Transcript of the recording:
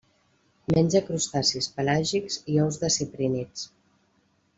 Menja crustacis pelàgics i ous de ciprínids.